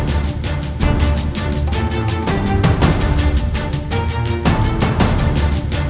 saudara seperguruan gusti rapi dari kunjung putih